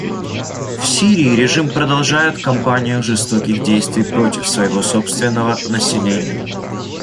В Сирии режим продолжает кампанию жестоких действий против своего собственного населения.